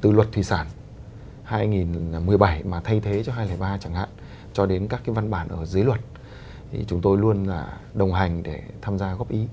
từ luật thủy sản hai nghìn một mươi bảy mà thay thế cho hai nghìn ba chẳng hạn cho đến các cái văn bản ở dưới luật thì chúng tôi luôn là đồng hành để tham gia góp ý